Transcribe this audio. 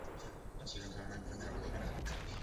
আর জীবন ধারণের জন্য অবশ্যই এনার্জি প্রয়োজন।